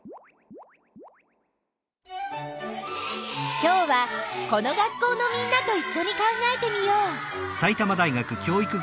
今日はこの学校のみんなといっしょに考えてみよう。